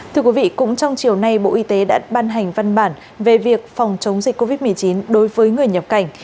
thưa quý vị cũng trong chiều nay bộ y tế đã ban hành văn bản về việc phòng chống dịch covid một mươi chín đối với người nhập cảnh